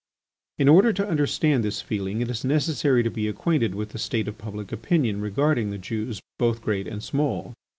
In order to understand this feeling it is necessary to be acquainted with the state of public opinion regarding the Jews both great and small.